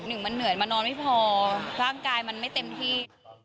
หนึ่งมันเหนื่อยมานอนไม่พอร่างกายมันไม่เต็มที่